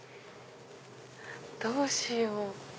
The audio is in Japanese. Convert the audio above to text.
どうしよう？